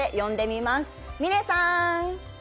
みねさん。